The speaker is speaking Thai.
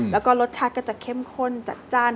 แล้วก็รสชาติก็จะเข้มข้นจัดจ้าน